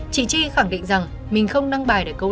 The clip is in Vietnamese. chị tri khẳng định rằng